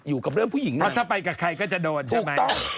ถ้าไปกับใครก็จะโดนใช่ไหม